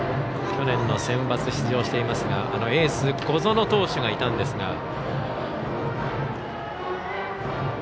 去年のセンバツ出場していますがエース小園投手がいたんですが。